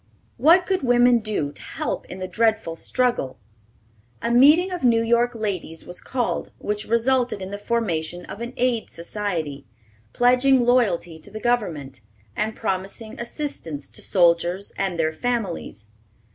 What could women do to help in the dreadful struggle? A meeting of New York ladies was called, which resulted in the formation of an Aid Society, pledging loyalty to the Government, and promising assistance to soldiers and their families.